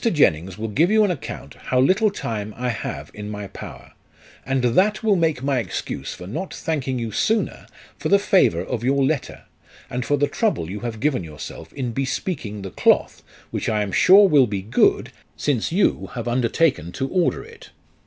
Jennens will give you an account how little time I have in my power, and that will make my excuse for not thanking you sooner for the favour of your letter, and for the trouble you have given yourself in bespeaking the cloth, which I am sure will be good, since you have under taken to order it.